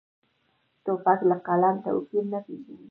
توپک له قلم توپیر نه پېژني.